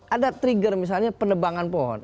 ada trigger misalnya penebangan pohon